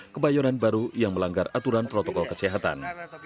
kebayoran baru yang melanggar aturan protokol kesehatan